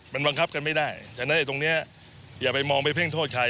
มันบังคับกันไม่ได้ฉะนั้นตรงนี้อย่าไปมองไปเพ่งโทษใคร